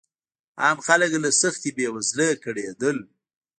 عام خلک له سختې بېوزلۍ کړېدل.